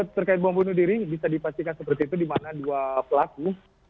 terkait bom bunuh diri bisa dipastikan seperti itu di mana dua pelaku